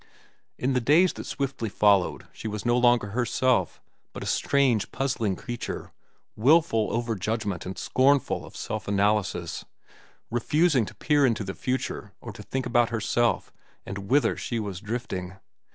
In the days that swiftly followed she was no longer herself but a strange, puzzling creature, wilful over judgment and scornful of self analysis, refusing to peer into the future or to think about herself and whither she was drifting.